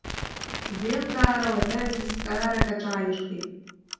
Зеилкаара уадаҩыз зҵаарак аҿааирхеит.